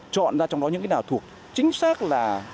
chọn ra trong đó những cái nào thuộc chính xác là